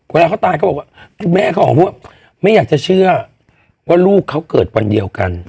เวลาเขาตายเขาบอกว่าแม่เขาออกมาพูดไม่อยากจะเชื่อว่าลูกเขาเกิดวันเดียวกัน